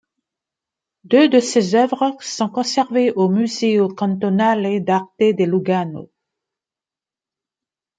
Deux de ses œuvres sont conservées au Museo Cantonale d'Arte de Lugano.